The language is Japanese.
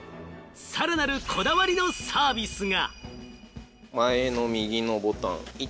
さらなる、こだわりのサービスが。